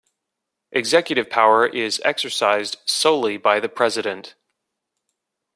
Executive power is exercised solely by the President.